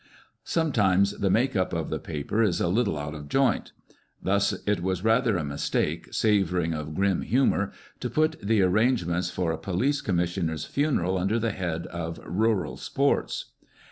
Sometimes the "make up" of the paper is a little out of joint. Thus, it was rather a mistake, savouring of grim humour, to put the arrange ments for a police commissioner's funeral under the head of " Rural Sports."